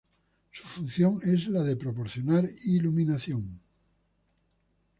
Su función es la de proporcionar iluminación.